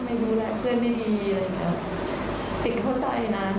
ไม่ดูแลเพื่อนไม่ดีติ๊กโทษใจนะ